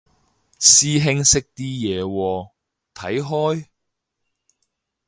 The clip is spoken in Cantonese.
師兄識啲嘢喎，睇開？